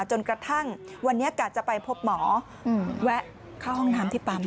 จนกระทั่งวันนี้กะจะไปพบหมอแวะเข้าห้องน้ำที่ปั๊ม